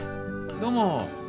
どうも。